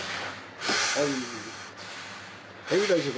はい大丈夫。